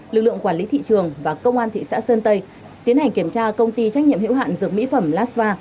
lực lượng quản lý thị trường và công an thị xã sơn tây tiến hành kiểm tra công ty trách nhiệm hiệu hạn dược mỹ phẩm lasva